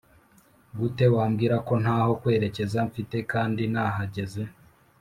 gute wambwira ko ntaho kwerekeza mfite kandi nahageze